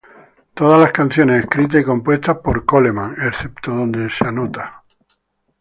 Todas las canciones escritas y compuestas por Coleman, excepto donde esta anotado.